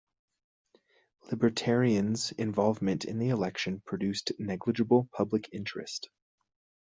Libertarianz's involvement in the election produced negligible public interest.